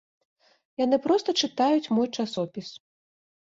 Яны проста чытаюць мой часопіс.